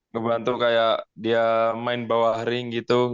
ngebantu kayak dia main bawah ring gitu